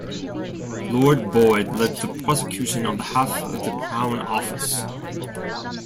Lord Boyd led the prosecution on behalf of the Crown Office.